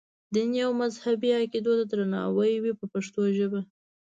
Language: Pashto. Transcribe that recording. دیني او مذهبي عقیدو ته درناوی وي په پښتو ژبه.